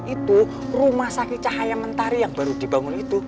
itu rumah sakit cahaya mentari yang baru dibangun itu